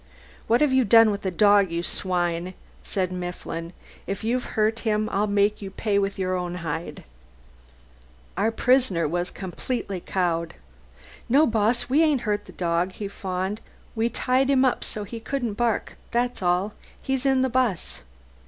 "What have you done with the dog, you swine?" said Mifflin. "If you've hurt him I'll make you pay with your own hide." Our prisoner was completely cowed. "No, boss, we ain't hurt the dog," he fawned. "We tied him up so he couldn't bark, that's all. He's in the 'bus."